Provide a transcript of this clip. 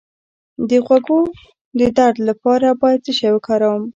د غوږ د درد لپاره باید څه شی وکاروم؟